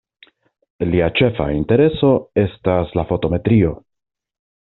Lia ĉefa intereso estas la fotometrio.